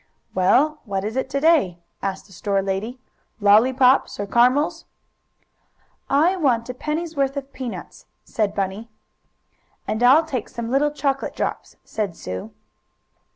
"Well, what is it to day?" asked the store lady. "Lollypops or caramels?" "I want a penny's worth of peanuts," said Bunny. "And I'll take some little chocolate drops," said Sue.